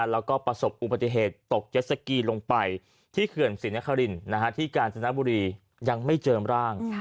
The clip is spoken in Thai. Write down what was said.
แล้วก็ประสบอุบัติเหตุตกเจ็ดสกีลงไปที่เขื่อนศรีนครินที่กาญจนบุรียังไม่เจอร่าง